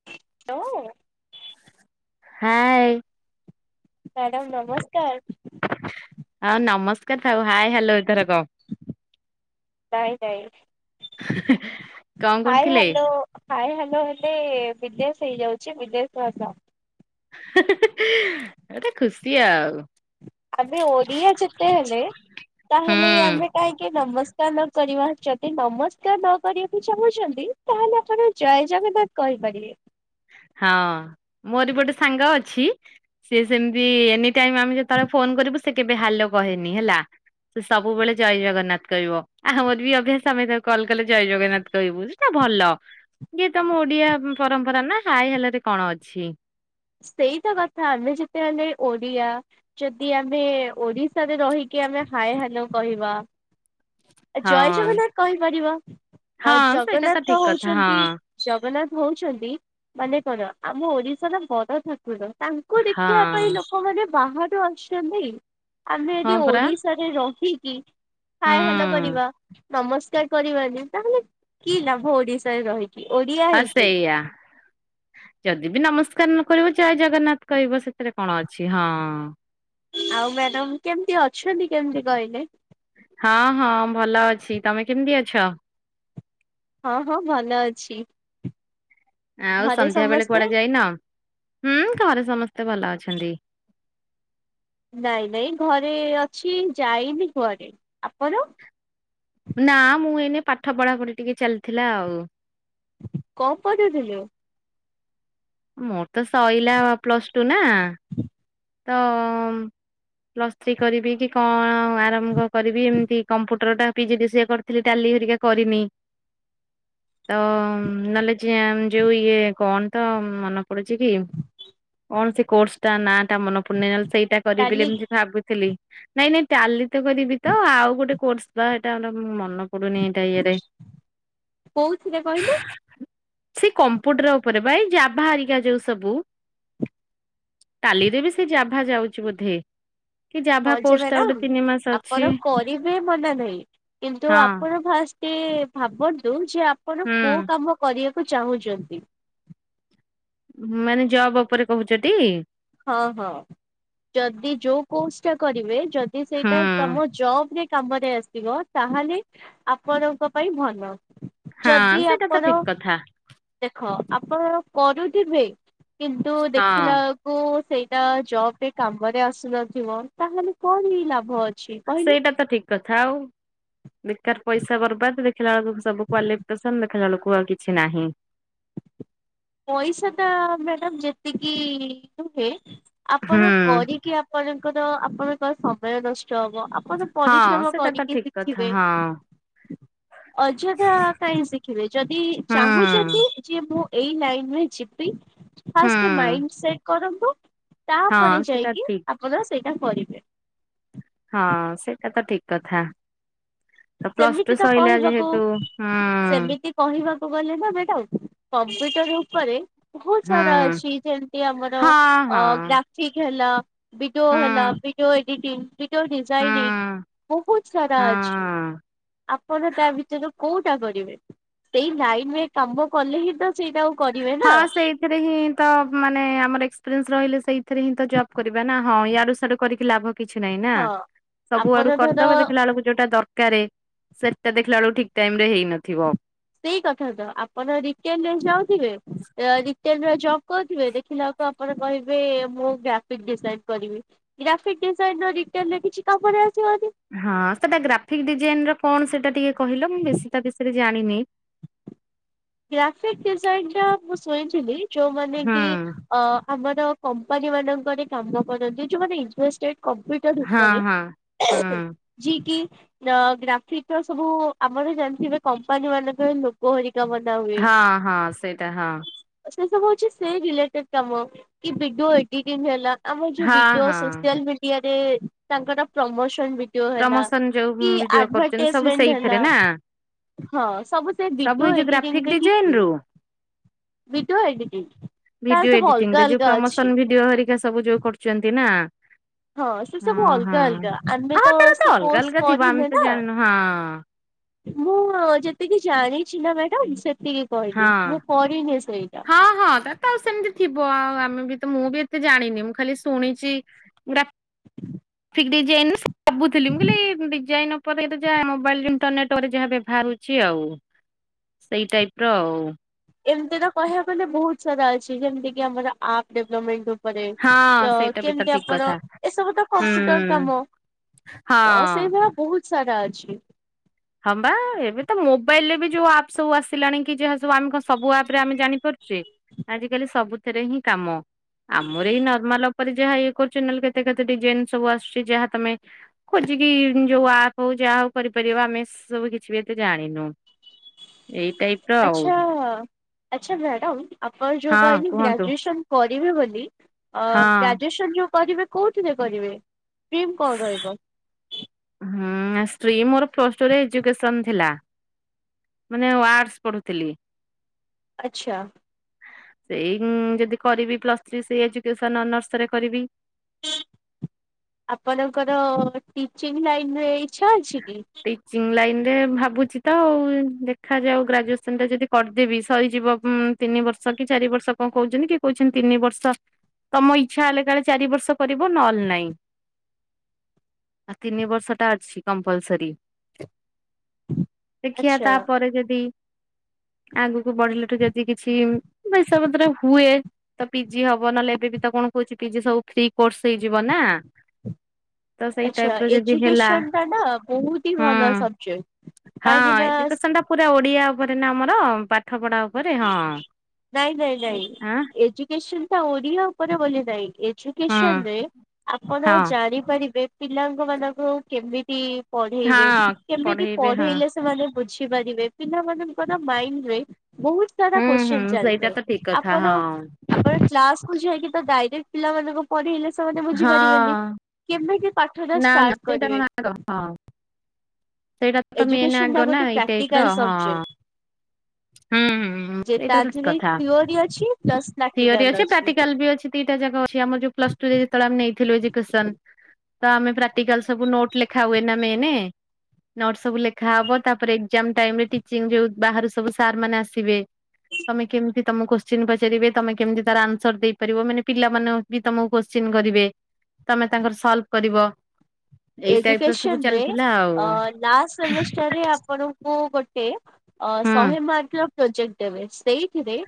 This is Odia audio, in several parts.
[unintelligible] ହାଏ। ମ୍ୟାଡାମ୍ ନମସ୍କାର। ହଁ ନମସ୍କାର ଥାଉ ହାଇ ହ୍ୟାଲୋ ଏଥର କ। ହାଏ ହାଏ କଣ ହାଏ କରୁଥିଲେ? ହ୍ୟାଲୋ। ହାଏ ହ୍ୟାଲୋ ହେଲେ ବିଦେଶ ହେଇଯାଉଛି। ବିଦେଶ ଭାଷା। ହିଁ ହିଁ ହିଁ ଗୋଟେ ଖୁସି ଆଉ। ଆମେ ଓଡ଼ିଆ ଯେତେ ହେଲେ। ତାହେଲେ ହୁଁ ଆମେ କାହିଁକି ନମସ୍କାର ନ କରିବା। ଯଦି ନମସ୍କାର ନ କରିଆକୁ ଚାହୁଁଛନ୍ତି ତାହେଲେ ଆପଣ ଜୟ ଜଗନ୍ନାଥ କହିପାରିବେ। ହଁ ମୋର ବି ଗୋଟେ ସାଙ୍ଗ ଅଛି। ସେ ସେମତି ଏନି ଟାଇମ ଆମେ ଯେତେବେଳେ ଫୋନ କରିବୁ ସେ କେବେ ହ୍ୟାଲୋ କୁହେନି ହେଲା। ସେ ସବୁବେଳେ ଜୟ ଜଗନ୍ନାଥ କହିବ। ଆମର ବି ଅଭ୍ୟାସ ଆମେ ତାକୁ କଲ କଲେ ଜୟ ଜଗନ୍ନାଥ କହିବୁ ସେଟା ଭଲ। ଇଏ ତମ ଓଡିଆ ପରମ୍ପରା ନା ହାଇ ହ୍ୟାଲୋ ରେ କଣ ଅଛି। ସେଇତ କଥା ଆମେ ଯେତେହେଲେ ଓଡ଼ିଆ। ଯଦି ଆମେ ଓଡିଶାରେ ରହିକି ଆମେ ହାଏ ହ୍ୟାଲୋ କହିବା। ଜୟ ହଁ। ଜଗନ୍ନାଥ କହିପାରିବ। ଆଉ ହଁ ସେଇଟା ଜଗନ୍ନାଥ ତ ଠିକ କଥା ହଉଛନ୍ତି ହଁ ଜଗନ୍ନାଥ ହଉଛନ୍ତି। ମାନେ କଣ ଆମ ଓଡ଼ିଶାର ବଡ଼ଠାକୁର। ତାଙ୍କୁ ଦେଖିବା ପାଇଁ ହଁ ଲୋକମାନେ ବାହାରୁ ଆସୁଛନ୍ତି। ଆମେ ହଁ ଏଠି ପରା ଓଡିଶା ରହିକି ହୁଁ ହାଏ ହ୍ୟାଲୋ କରିବା। ନମସ୍କାର କରିବାନି। ତାହେଲେ କି ଲାଭ ଓଡିଶାରେ ରହିକି। ଓଡିଆ ହଁ ହେଇକି ସେଇଆ। ଯଦି ବି ନମସ୍କାର ନ କରିବ। ଜୟ ଜଗନ୍ନାଥ କହିବ ସେଥିରେ କଣ ଅଛି। ହଁ। ଆଉ ମ୍ୟାଡାମ କେମିତି ଅଛନ୍ତି। କେମିତି କହିଲେ? ହଁ ହଁ ଭଲ ଅଛି ତମେ କେମିତି ଅଛ? ହଁ ହଁ ଭଲ ଅଛି। ଆଉ ଘରେ ସନ୍ଧ୍ୟା ବେଳେ କୁଆଡେ ସମସ୍ତେ? ଯାଇନ? ହୁଁ ଘରେ ସମସ୍ତେ ଭଲ ଅଛନ୍ତି। ନାଇଁ ନାଇଁ ଘରେ ଅଛି ଯାଇନି କୁଆଡ ଆପଣ? ନାଁ ମୁଁ ଏଇନେ ପାଠ ପଢା ପଢି ଟିକେ ଚାଲିଥିଲା ଆଉ। କଣ ପଡୁଥିଲୁ? ମୋର ତ ସଇଲା ପ୍ଲସ ଟୁ ନା। ହୁଁ। ତ ପ୍ଲସ ଥ୍ରୀ କରିବି କଣ ଆରମ୍ଭ କରିବି ଏମିତି କମ୍ପୁଟର ଟା ପିଜି ଡି ସିଏ କରିଥିଲି ଟାଲି ହେରିକା କରିନି। ତ ନହେଲେ ଜିଆନଗ ଯୋଉ ଇଏ କଣ ତ ମନେ ପଡୁଛି କି। କଣ ସେ କୋର୍ସ ଟା ନା। ତା ମନ ପୂରି ନାହିଁ ନହେଲେ ସେଇଟା କରିବି ଟାଲି ଏମିତି ଭାବୁଥିଲି ନାଇଁ ନାଇଁ ଟାଲି ତ କରିବି ତ ଆଉ ଗୋଟେ କୋର୍ସ ବା ଏଇଟା ଗୋଟେ ମନ ପଡୁନି ଏଇଟା ଇୟରେ, କୋଉଥିରେ କହିଲେ? ସେ କମ୍ପୁଟର ଉପରେ ବା ଏଇ ଜାଭା ହାରିକା ଯୋଉ ସବୁ। ଏବେ ବି ସେଇ ଜାଭା ଯାଉଛି ବୋଧେ। କି ଜାଭା ହଁ ଯେ କୋର୍ସ ଟା ଗୋଟେ ମ୍ୟାଡ଼ାାମ ତିନି ମାସ ଅଛି ଆପଣ କରିବେ ମନା ନାହିଁ କିନ୍ତୁ ହଁ ଆପଣ ଫାଷ୍ଟ ତେ ଭାବନ୍ତୁ ଯେ ଆପଣ କୋଉ ହୁଁ। କାମ କରିବାକୁ ଚାହୁଁଛନ୍ତି? ମାନେ ଜବ୍ ଉପରେ କହୁଛ ଟି? ହଁ ହଁ ଯଦି ଯୋଉ କୋର୍ସ ଟା କରିବେ। ଯଦି ସେଇଟା ହୁଁ। ତମ ଜବ ରେ କାମରେ ଆସିବ। ତାହେଲେ ଆପଣଙ୍କ ପାଇଁ ଭଲ ଯଦି ହଁ ସେଇଟା ତ ଆପଣ ଠିକ କଥା ଦେଖ ଆପଣ କରୁଥିବେ କିନ୍ତୁ ହଁ ଦେଖିଲା ଉଁ ସେଇଟା ଜବ ରେ କାମରେ ଆସୁନଥିବ ତାହେଲେ କଣ ହେଇ ଲାଭ ଅଛି? କହିଲେ? ସେଇଟା ତ ଠିକ କଥା ଆଉ। ବେକାର ପଇସା ବର୍ବାଦ ଦେଖିଲା ବେଳକୁ ସବୁ କ୍ୱାଲିଫିକେସନ ଦେଖିଲା ବେଳକୁ ଆଉ କିଛି ନାହିଁ। ପଇସାଟ ମ୍ୟାଡାମ ଯେତିକି ନୁହେଁ ଆପଣ ହୁଁ। କରିକି ଆପଙ୍କର ଆପଣଙ୍କ ସମୟ ନଷ୍ଟ ହବ। ଆପଣ ହଁ ପରିଶ୍ରମ ସେଟା ତ କରିକି ଠିକ କଥା ଶିଖିବେ। ହଁ ଅଯଥା କାହିଁ ଶିଖିବେ ଯଦି ହୁଁ ଚାହୁଁଛନ୍ତି ଯେ ମୁଁ ଏଇ ଲାଇନରେ ଯିବି ହୁଁ ଫାଷ୍ଟ ମାଇଣ୍ଡ ସେଟ୍ କରନ୍ତୁ ହଁ ତାପରେ ସେଟା ଯାଇକି ଠିକ ଆପଣ ସେଇଟା କରିବେ। ହଁ ସେଇଟା ତ ଠିକ କଥା। ତ ପ୍ଲସ ଟୁ ସେମିତି ତ ସଇଲା କହିବାକୁ ଯେହେତୁ ହଁ। ସେମିତି କହିବାକୁ ଗଲେ ନାଁ ମ୍ୟାଡମ୍ କମ୍ପ୍ୟୁଟର ଉପରେ ବହୁତ ହୁଁ ସାର୍ ଅଛି, ଯେମତି ଆମର ହଁ ହଁ ଗ୍ରାଫିକ ହେଲା, ଭିଡିଓ ହୁଁ ହେଲା ଭିଡିଓ ଏଡିଟିଂ, ଭିଡିଓ ଡିଜାଇନିଂ ହୁଁ ବହୁତ ସାରା ଅଛି। ହଁ ଆପଣ ତା ଭିତରୁ କୋଉଟା କରିବେ ସେଇ ଲାଇନରେ କାମ କଲେ ହିଁ ତ ସେଇଟା ଆଉ କରିବେ ନା। ରେ ହିଁ ତ ମାନେ ଆମର ଏକ୍ସପେରିଏନ୍ସ ରହିଲେ ସେଇ ସେଇ ହିଁ ତ ଜବ୍ କରିବା ନା ହଁ ୟାଡୁ ସାଡ କରିକି ଲାଭ କିଛି ନାଇଁ ନାଁ ହଁ। ସବୁ ଆପଣ ଆଡୁ ଧର କରିଦବ ଦେଖିଲା ବେଳକୁ ଯୋଉଟା ଦରକାର ସେଟା ଦେଖିଲା ବେଳକୁ ଠିକ ଟାଇମ୍ ରେ ହେଇନଥିବ। ସେଇ କଥା ତ ଆପଣ ରିଟେଲରେ ଯାଉଥିବେ ରିଟେଲ ର ଜବ କହୁଥିବେ ଦେଖିଲା ବେକୁ ଆପଣ କହିବେ ମୁଁ ଗ୍ରାଫିକ ଡିଜାଇନ କରିବି। ଗ୍ରାଫିକ ଡିଜାଇନର ରିଟେନର କିଛି କାମରେ ଆସିବ କି? ହଁ ସେଟା ଗ୍ରାଫିକ୍ ଡିଜାଇନ ର କଣ ସେଇଟା ଟିକେ କହିଲ ମୁଁ ବେଶୀ ତା ବିଷୟରେ ଜାଣିନି। ଗ୍ରାଫିକ ଡିଜାଇନ ଟା ମୁଁ ଶୁଣିଥିଲି ଯୋଉମାନେ ହୁଁ କି। ଅ ଆମର କମ୍ପାନୀ ମାନଙ୍କରେ କାମ କରନ୍ତି ଯୋଉମାନେ ଇଣ୍ଡୋର ଷ୍ଟେଟ କମ୍ପିଟ୍ ତା ହଁ ଭିତରେ ହଁ ହୁଁ ଯିଏ କି। ଆଁ ଗ୍ରାଫିକ ର ସବୁ ଆପଣ ଜାଣିଥିବେ କମ୍ପାନୀ ମାନଙ୍କର ଲୋଗ ହରିକା ବନା ହୁଏ। ହଁ ହଁ ସେଇଟା ହଁ। ସେ ସବୁ ହଉଛି ସେଇ ରିଲେଟେଡ କାମ କି ଭିଡିଓ ଏଡିଟିଙ୍ଗ ହେଲା। ଆମର ଯୋଉ ହଁ ଭିଡିଓ ହଁ ସୋସିଆଲ ମିଡିଆରେ ତାଙ୍କର ପ୍ରମୋସନ ଭିଡି ଓ ହେଲା ପ୍ରମୋସନ ଯୋଉ କି ଭିଡିଓ କରୁଛନ୍ତି ସବୁ ଆଭଟେଜମେଣ୍ଟ ସେଇଥିରେ ହେଲା। ନା। ହଁ ସବୁ ସେ ସବୁ ଭିଡିଓ ଏଇ ଯୋଉ ଏଡିଟିଙ୍ଗ। ଗ୍ରାଫିକ ଏମତି ହିଁ ଡିଜାଇନ ହୁଏ ରୁ ଭିଡିଓ ଏଡିଟିଙ୍ଗ ଭିଡିଓ ତାର ସବୁ ଏଡିଟିଂ ରେ ଅଲଗା ଯୋଉ ଅଲଗା ପ୍ରମୋସନ ଅଛି। ଭିଡିଓ ଘରିକା ସବୁ ଯୋଉ କରୁଛନ୍ତି ନା। ହଁ ସେ ସବୁ ଅଲଗା ଅଲଗା ଆମେ ହଁ ତ ତାର ସେ ଅଲଗା କୋର୍ସ ଅଲଗା ଥିବ ଆମେ କରିନେ ତ ନା। ଜାଣିନୁ ହଁ ମୁଁ ଯେତିକି ଜାଣିଛି ନା ମ୍ୟାଡାମ ସେତିକି କହିଲି ହଁ। ମୁଁ କରିନି ସେଇଟା। ହଁ ହଁ ତାର ତ ଆଉ ସେମିତି ଥିବ ଆମେ ବି ତ ମୁଁ ବି ଏତେ ଜାଣିନି ମୁଁ ଖାଲି ଶୁଣିଛି ଗ୍ରାଫ୍ ହୁଁ [inaudible] ଡିଜାଇନସ୍ ମୁଁ ଭାବୁଥିଲି ମୁଁ କହିଲି ଏଇ ଡିଜାଇନ୍ ଓପରେ ଯା ମୋବାଇଲ ଇଣ୍ଟରନେଟରେ ଉପରେ ଯାହା ବ୍ୟବହାର ହଉଛି ଆଉ। ସେଇ ଟାଇପ ର ଆଉ। ଏମିତି ତ କହିବାକୁ ଗଲେ ବହୁତ ସାରା ଅଛି ଯେମିତି କି ଆମର ଆପ୍ ଡେଭଲପମେଣ୍ଟ। ଉପରେ ହଁ ଅ ସେଇଟା ବି ତ କେମିତି ଠିକ ଆପଣ କଥା ଏସବୁ ତ ହୁଁ କମ୍ପ୍ୟୁଟର କାମ। ହଁ। ତ ସେଇ ଭଳିଆ ବହୁତ ସାରା ଅଛି। ହଁବା ଏବେ ତ ମୋବାଇଲ ରେ ବି ଯୋଉ ଆପ୍ ସବୁ ଆସିଲାଣି କି ଯାହା ସବୁ ଆମେ କଣ ସବୁ ଆପ ରେ ଆମେ ଜାଣିପାରୁଛେ। ଆଜି କାଲି ସବୁଥିରେ ହିଁ କାମ। ଆମର ଏଇ ନର୍ମାଲ ଉପରେ ଯାହା ଇଏ କରୁଛ ନହେଲେ କେତେ କେତେ ଡିଜାଇନ ସବୁ ଆସୁଛି ଯାହା ତମେ। ଖୋଜିକି ଯୋଉ ଆପ ହଉ ଯାହା ହଉ କରିପାରିବା ଆମେ। ସେ ସବୁ କିଛି ବି ଏତେ ଜାଣିନୁ ଏଇ ଟାଇ ଆଚ୍ଛା ଆଚ୍ଛା ମ୍ୟାଡ଼ାମ ଅପଣ ଯୋଉ ହଁ କହିଲେ କୁହନ୍ତୁ। ଗ୍ରେଜୁଏସନ୍। କରିବେ ବୋଲି ଅ ହଁ। ଗ୍ରାଜୁଏସନ ଯୋଉ କରିବେ। କୋଉଥିରେ କରିବେ ର୍ଷ୍ଟିମ୍ କଣ ରହିବ? ହୁଁ ର୍ଷ୍ଟିମ ମୋର ପ୍ଲସ ଟୁରେ ଏଜୁକେସନ ଥିଲା। ମାନେ ୱାର୍ଡସ ପଢୁଥିଲି। ଆଚ୍ଛା। ସେଇ ଯଦି କରିବି ପ୍ଲସ ଥ୍ରୀ ସେଇ ଏଜୁକସନ ଅନର୍ସରେ କରିବି। ଆପଣଙ୍କର ଟିଚିଂ ଲାଇନରେ ଇଚ୍ଛା ଅଛି କି? ଟିଚିଂ ଲାଇନରେ ଭାବୁଛି ତ ଆଉ ଦେଖାଯାଉ ଗ୍ରାଜୁଏସନ ଟା ଯଦି କରିଦେବି ସରିଯିବ ଉଁ। ତିନି ବର୍ଷ କି ଚାରି ବର୍ଷ କଣ କହୁଛନ୍ତି କିଏ କହୁଛନ୍ତି ତିନି ବର୍ଷ। ତମ ଇଚ୍ଛା ହେଲେ କାଳେ ଚାରି ବର୍ଷ କରିବ ନହଲେ ନାଇଁ। ଆଉ ତିନି ବର୍ଷଟା ଅଛି କମ୍ପଲ ସରି ଦେଖିବା ଆଚ୍ଛା ତାପରେ ଯଦି। ଆଗକୁ ବଢିଲାଠୁ ଯଦି କିଛି ପଇସା ପତ୍ର ହୁଏ। ତ ପିଜି ହବ ନହେଲେ ଏବେ ବି ତ କଣ କହୁଛି ପିଜି ସବୁ ଫ୍ରି କୋର୍ସ ହେଇଯିବ ନା? ତ ସେଇ ଟାଇପ ଆଚ୍ଛା ର ଯଦି ହେଲା ଏଜୁକସନଟା ନା ବହୁତ ହି ହୁଁ ଭଲ ସବଜେକ୍ଟ ହଁ କାହିଁକି ନା। ଏଜୁକେସନ ଟା ପୁରା ଓଡ଼ିଆ ଉପରେ ନା ଆମର ପାଠ ପଢ଼ା ଉପରେ ହଁ। ନିଶ୍ଚିନ୍ତ ଓଡିଆ ଉପରେ ବୋଲି ନାହିଁ ହଁ ଏଜୁକନରେ ଆପଣ ହଁ ଜାଣିପାରିବେ। ପିଲାଙ୍କମାନଙ୍କୁ କେମିତି ପଢେଇବେ ହଁ କେମିତି ପଢେଇବେ ହଁ। ପଢେଇଲେ ସେମାନେ ବୁଝି ପାରିବେ ପିଲାମାନଙ୍କର ମାଇଣ୍ଡରେ ବହୁତ ସାରା ହୁଁ ହୁଁ କ୍ଵସଚିନ ସେଇଟା ଚାଲିଥାଏ ତ ଠିକ କଥା ଆପଣ ହଁ ଆପଣ କ୍ କୁଝା ତ ଡାଇରେକ୍ଟ ପିଲାମାନଙ୍କୁ ପଢେଇଲେ ସେମାନେ ବୁଝିପାରିବେନି। ହଁ କେମିତି ପାଠଟା ନା ନା ଷ୍ଟାର୍ଟ ସେଇଟା କରିବେ? କଣ ଆଗ ହଁ ସେଇଟା ତ ମେନ୍ ଆଗ ଏଜୁକନଟା ନା ଗୋଟେ ଏଇ ଟାଇପ ର ପ୍ରାକ୍ଟିକାଲ ହଁ ସବଜେଟ। ହୁଁ ହଁ ତା ସେଇଟା ତ ଦେହରେ କଥା ଥିଓରି ଅଛି ପ୍ଲସ ଥିଓରି ପ୍ରାକ୍ଟିକାଲ ଅଛି ପ୍ରାକ୍ଟିକାଲ ବି ଅଛି ଦିଟା ଯାକ ଅଛି ଆମର ଯୋଉ ପ୍ଲସଟୁରେ ଯେତେବେଳେ ଆମେ ନେଇଥିଲୁ ଏଜୁକେସନ ତ ଆମେ ପ୍ରାକ୍ଟିକାଲ ସବୁ ନୋଟ ଲେଖା ହୁଏ ନା ମେନ। ନଟ ସବୁ ଲେଖା ହବ ତାପରେ ଏଜାମ ଟାଇମରେ ଟିଚିଂ ଯୋଉ ବାହ ସବୁ ସାର୍ ମାନେ ଆସିବେ। ତମେ କେମିତି ତମ କୋଶ୍ଚି ପଚାରିବେ ତମେ କେମିତି ତାର ଆନ୍ସର ଦେଇପାରିବ ମାନେ ପିଲା ମାନ ବି ତମକୁ କୋଶ୍ଚିନ୍ କରିବେ ତମେ ତାଙ୍କର ସଲଭ କରିବ। ଏଇ ଟାଇପ ର ସବୁ ଏଯୁକେସନରେ ଚାଲିଥିଲା ଆଉ ଅ ଲାଷ୍ଟ ସେମିଷ୍ଟାରରେ ଆପଣଙ୍କୁ ଗୋ ହୁଁ ଶହେ ମାର୍କର ପ୍ରୋଜେକ୍ଟ ଦେବେ ସେଇଥିରେ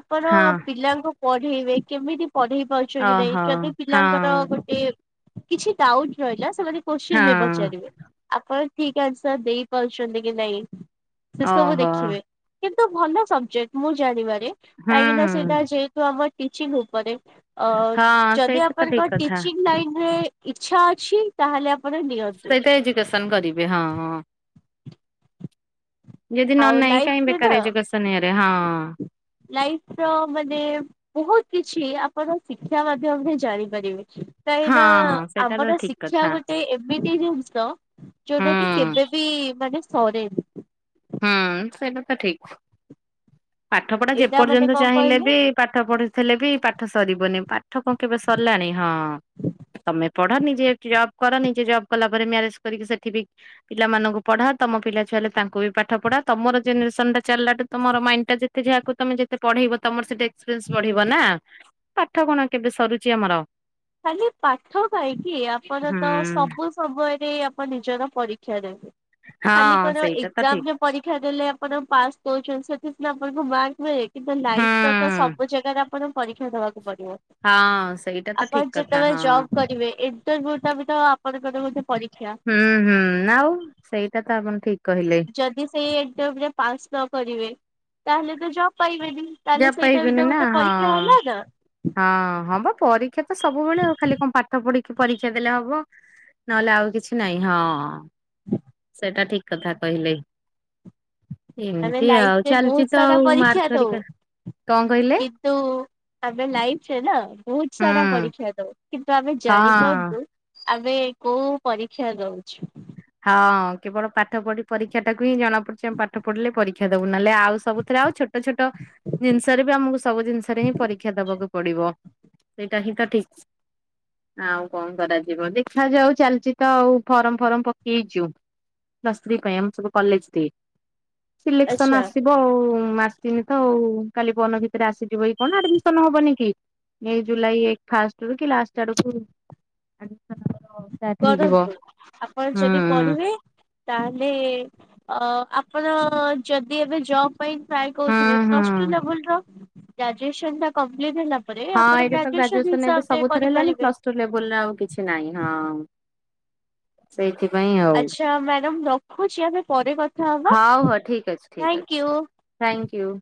ଆପଣ ହଁ। ପିଲାଙ୍କୁ ପଢେଇବେ କେମିତି ପଢେଇ ପାରୁଛନ୍ତି ନାହିଁ ଓହୋ ଯଦି ହଁ ପିଲାଙ୍କର ଗୋଟେ କିଛି ଡାଉଟ ରହିଲା ସେମାନେ କ୍ବଚୀନ ବି ହଁ ପଚାରିବେ। ଆପଣ ଠିକ ଆନ୍ସର ଦେଇପାରୁଛନ୍ତି କି ନାଇଁ ସେ ସବୁ ଓହୋ ଦେଖିବେ। କିନ୍ତୁ ଭଲ ସବଜେକ୍ଟ ମୁଁ ଜାଣିବାରେ ହୁଁ କାହିଁକିନା ହୁଁ। ସେଟା ଯେ ତ ଆମ ଟିଚିଂ ଉପରେ ଅ ହଁ ଯଦି ସେଇଟା ତ ଆପଣଙ୍କ ଠିକ କଥା ଟିଚିଂ ଲାଇନରେ ଇଚ୍ଛା ଅଛି ତାହେଲେ ଆପଣ ନିଅନ୍ତୁ ସେଇଟା ଏଜୁକେସନ କରିବେ ହଁ ହଁ। ଯଦି ନ ଆଉ ନାଇଁ କାଇ ଲାଇଫରେ ବେକାର ଏଜୁକେସନ ଇଏରେ ହଁ। ଲାଇଫର ମାନେ ବହୁତ କିଛି ଆପଣ ଶିକ୍ଷା ମାଧ୍ୟମରେ ଜାଣିପାରିବେ। କାହିଁକି ହଁ ନା ହଁ ସେଇଟା ତ ଆମର ଠିକ ଶିକ୍ଷା କଥା ଗୋଟେ ଏମିତି ଜିନିଷ ହୁଁ ଯୋଉଟା କି କେବେ ବିି ମାନେ ସରେନି ହୁଁ ସେଇଟା ତ ଠିକ। ପାଠ ପଢା ଯେ ଏଇଟା ମାନେ ପର୍ଯ୍ୟନ୍ତ କଣ ଚାହିଁଲେ କହିଲେ ବି ପାଠ ପଢିଥିଲେ ବି ପାଠ ସରିବନି ପାଠ କଣ କେବେ ସରିଲାଣି ହଁ। ତମେ ପଢ ନିଜେ ଜବ୍ କର ନିଜେ ଜବ୍ କଲା ପରେ ମ୍ୟାରେଜ କରିକି ସେଠି ବି ପିଲାମାନଙ୍କୁ ପଢା ତମ ପିଲା ଛୁଆଲେ ତାଙ୍କୁ ବି ପାଠ ପଢା ତମର ଜେନେରେସନ ଟା ଚାଲା ଠୁ ତମର ମାଇଣ୍ଡ ଯେତେ ଯାହାକୁ ତମେ ଯେତେ ପଢେଇବ ତମର ସେ ଏକ୍ସପିରିଏନ୍ସ ବଢିବ ନା? ପାଠ କଣ କେବେ ସରୁଛି ଆମର? ଖାଲି ପାଠ କାହିଁକି? ଆପଣ ତ ହୁଁ। ସବୁ ସମୟରେ ଆପଣ ନିଜର ପରୀକ୍ଷା ଦେବେ ଖାଲି ହଁ କଣ ସେଇଟା ତ ଠିକ ଏଜାମରେ ପରୀକ୍ଷା ଦେଲେ ଆପଣ ପାସ୍ କରୁଛନ୍ତି ସେଥି ଆପଣଙ୍କୁ ମାର୍କ ମିଳେ। କିନ୍ତୁ ହୁଁ ଲାଇଫ ର ତ ସବୁ ଜାଗାରେ ଆପଣଙ୍କୁ ପରୀକ୍ଷା ଦବାକୁ ପଡିବ। ହଁ ସେଇଟା। ତ ଆପଣ ଠିକ କଥା ଯେତେବେଳେ ହଁ ଜବ୍ କରିବେ ଇଣ୍ଟରଭୁ ଟା ବି ତ ଆପଣଙ୍କର ମଧ୍ୟ ପରୀକ୍ଷା। ହୁଁ ହୁଁ ଆଉ ସେଇଟା ତ ଆପଣ ଠିକ କହିଲେ। ଯଦି ସେଇ ଏକ୍ସାମ ରେ ପାସ୍ ନ କରିବେ ତାହେଲେ ତ ଜବ ପାଇବେନି। ତାହେଲେ ଯା ସେଇଟା ବିିତ ପାଇବେନି ତ ନା ଗୋତେ ହଁ କହିଥିଲେ ହେଲା ନା? ହଁ ହଁ ବା ପରୀକ୍ଷା ତ ସବୁବେଳେ ଆଉ ଖାଲି କଣ ପାଠ ପଢିକି ପରୀକ୍ଷା ଦେଲେ ହବ। ହବ ନହେଲେ ଆଉ କିଛି ନାଇଁ ହଁ। ହଁ। ସେଟା ଠିକ୍ କଥା କହିଲେ। ଆମେ ଏମତି ଆଉ ଲାଇଫରେ ଚାଲଚି ବହୁତ ତ ସାରା ଆଉ ମାର୍କ ଘରିକା କଣ କହିଲେ? ତୁ ଆମେ ଲାଇଫରେ ନା ବହୁତ୍ ହୁଁ ସାରା ପରୀକ୍ଷା ଦଉ। କିନ୍ତୁ ଆମେ ହଁ ଜାଣିପାରୁନୁ ଆମେ କୋଉ ପରୀକ୍ଷା ଦଉଛୁ। ହଁ କେବଳ ପାଠ ପଢି ପରୀକ୍ଷା ଟାକୁ ହିଁ ଜଣା ପଡୁଛି ଆମେ ପାଠ ପଢିଲେ ପରୀକ୍ଷା ଦବୁ ନହଲେ ଆଉ ସବୁଥିରେ ଆଉ ଛୋ ଟ ଛୋଟ ଜିନଷରେ ବି ଆମକୁ ସବୁ ଜିନିଷରେ ହିଁ ପରୀକ୍ଷା ଦବାକୁ ପଡିବ। ସେଇଟା ହିଁ ତ ଠିକ୍। ଆଉ କଣ କରାଯିବ ଦେଖାଯାଉ ଚାଲଚି ତ ଆଉ ଫର୍ମ ଫର୍ମ ପ କେଇଚୁ ପ୍ଲୁସ ଥ୍ରୀ ପାଇଁ ଆମ ସବୁ କଲେଜ ଦ ସିଲେକ୍ସନ ଆଚ୍ଛା ଆସି ବଉ ମୁଁ ଆସିନି ତ ଆଉ କାଲି ପର ଦିନ ଭିତେରେ ଆସିବି ବୋଲି କଣ ନା ଆଡମିସନ ହବନି କି। ମେ ଜୁଲାଇ ଫାଷ୍ଟରୁ କି ଲାଷ୍ଟ ଆଡୁକୁ ଆଡ଼ମିସନ ଆମର। ଷ୍ଟାର୍ଟ ହେଇଯିବ। କରନ୍ତୁ। ଆପଣ ହୁଁ ଯଦି ପଢିବେ। ତାହେଲେ ଅ ଆପଣ ଯଦି ଏବେ ଜବ ପାଇଁ ଟ୍ରାଏ ହୁଁ କରୁଥିବେ ପ୍ଲ ହୁଁ। ଟୁ ଲେବୁଲ୍ ର ଗ୍ରାଜୁଏସନ ଟା କମ୍ପ୍ଲିଟହେଲା। ପରେ ହଁ ଆପଣ ଗ୍ରାଜୁଏସନ ହିସାବରେ କରିପାରିବେ। ତୋ ଲେବୁଲ୍ ରେ ଆଉ କିଛି ନାଇଁ ହଁ। ସେଇଥିପାଇଁ ଆଉ ଆଛା ମ୍ୟାଡ଼ାମ ରଖୁଛି ଆମେ ପରେ କଥା ହବା। ହଉ ହଉ ଠିକ ଅଛି ଠିକ ଅଛି ଥ୍ୟାଙ୍କ ୟୁ। Thank you.